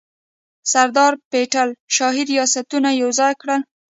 سردار پټیل شاهي ریاستونه یوځای کړل.